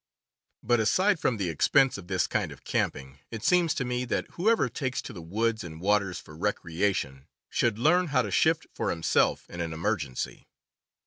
But, aside from the expense of this kind of camping, it seems to me that whoever takes to the woods and waters for recreation should learn how to shift for him self in an emergency.